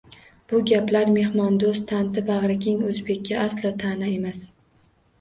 Bu gaplar mehmondoʻst, tanti, bagʻri keng oʻzbekka aslo taʼna emas